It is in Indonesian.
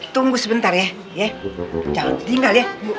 tunggu sebentar ya tinggal ya